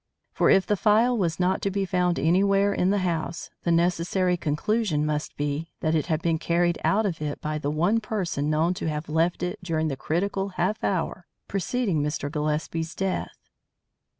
For if the phial was not to be found anywhere in the house, the necessary conclusion must be that it had been carried out of it by the one person known to have left it during the critical half hour preceding Mr. Gillespie's death.